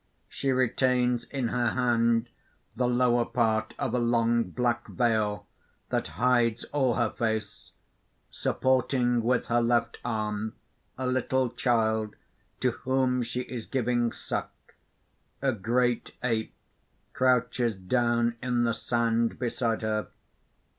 _ _She retains in her hand the lower part of a long black veil that hides all her face; supporting with her left arm a little child to whom she is giving suck. A great ape crouches down in the sand beside her.